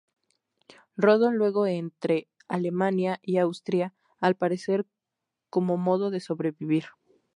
Rodó luego entre Alemania y Austria, al parecer como modo de sobrevivir.